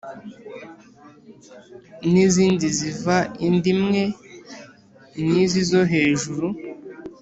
n’izindi ziva inda imwe n’izi zo hejuru